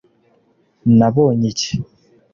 nabonye iki